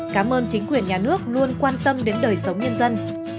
cảm ơn chính quyền nhà nước luôn quan tâm đến đời sống nhân dân